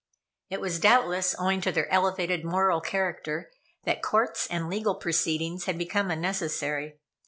It was, doubtless, owing to their elevated moral character that courts and legal proceedings had become unnecessary.